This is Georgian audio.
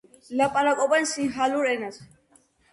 ლაპარაკობენ სინჰალურ ენაზე.